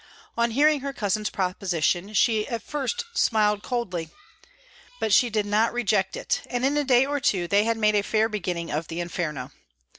On hearing her cousin's proposition, she at first smiled coldly; but she did not reject it, and in a day or two they had made a fair beginning of the 'Inferno.'